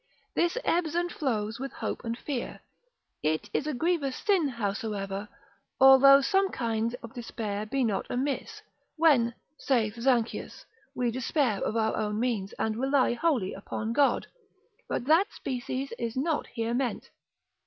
This ebbs and flows with hope and fear; it is a grievous sin howsoever: although some kind of despair be not amiss, when, saith Zanchius, we despair of our own means, and rely wholly upon God: but that species is not here meant.